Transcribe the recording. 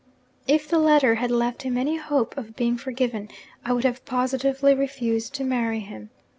If the letter had left him any hope of being forgiven, I would have positively refused to marry him.